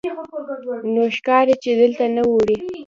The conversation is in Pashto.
نو ښکاري چې دلته نه اړوې.